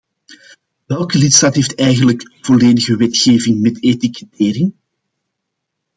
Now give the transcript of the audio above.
Welke lidstaat heeft eigenlijk een volledige wetgeving met etikettering?